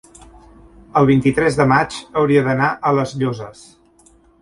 el vint-i-tres de maig hauria d'anar a les Llosses.